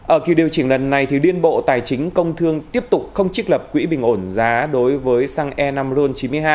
ở kỳ điều chỉnh lần này liên bộ tài chính công thương tiếp tục không trích lập quỹ bình ổn giá đối với xăng e năm ron chín mươi hai